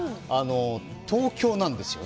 東京なんですよね。